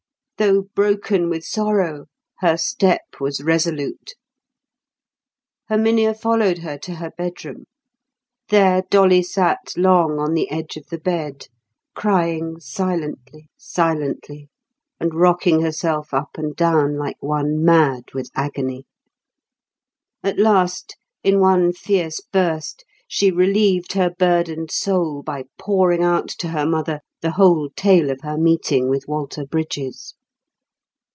Though broken with sorrow, her step was resolute. Herminia followed her to her bedroom. There Dolly sat long on the edge of the bed, crying silently, silently, and rocking herself up and down like one mad with agony. At last, in one fierce burst, she relieved her burdened soul by pouring out to her mother the whole tale of her meeting with Walter Brydges.